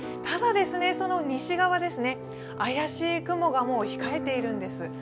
ただ、その西側ですね怪しい雲が控えているんです。